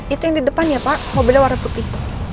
itu yang di depan ya pak mobilnya warna putih